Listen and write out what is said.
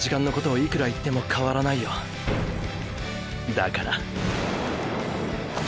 だから。